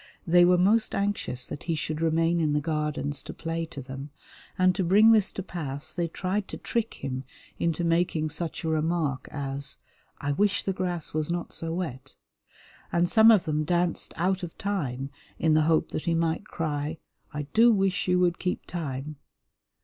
They were most anxious that he should remain in the Gardens to play to them, and to bring this to pass they tried to trick him into making such a remark as "I wish the grass was not so wet," and some of them danced out of time in the hope that he might cry, "I do wish you would keep time!"